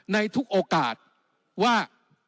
ในทุกโอกาสว่า